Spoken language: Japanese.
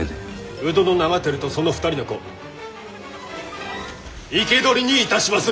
鵜殿長照とその２人の子生け捕りにいたしまする！